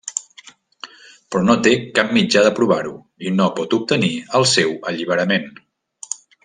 Però no té cap mitjà de provar-ho, i no pot obtenir el seu alliberament.